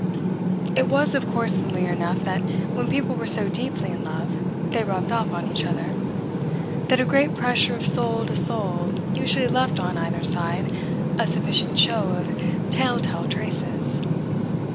It was of course familiar enough that when people were so deeply in love they rubbed off on each other that a great pressure of soul to soul usually left on either side a sufficient show of tell tale traces.